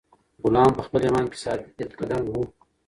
غلام په خپل ایمان کې ثابت قدم و.